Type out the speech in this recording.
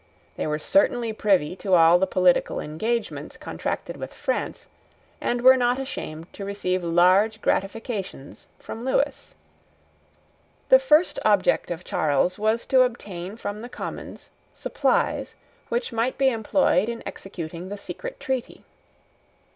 They were certainly privy to all the political engagements contracted with France, and were not ashamed to receive large gratifications from Lewis. The first object of Charles was to obtain from the Commons supplies which might be employed in executing the secret treaty.